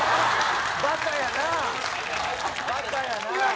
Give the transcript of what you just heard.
「バカやなあ！」